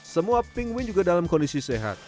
semua pinguin juga dalam kondisi sehat